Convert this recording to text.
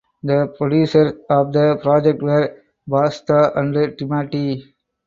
The producers of the project were Basta and Timati.